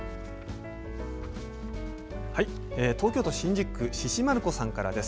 東京都新宿区のしし丸こさんからです。